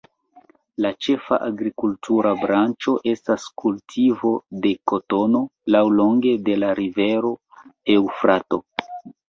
La ĉefa agrikultura branĉo estas kultivo de kotono laŭlonge de la rivero Eŭfrato.